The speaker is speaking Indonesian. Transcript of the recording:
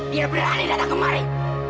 dia berani datang kemari